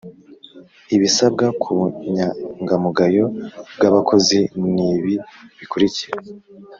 Ibisabwa k ‘ubunyangamugayo bw’ abakozi ni ibi bikurikira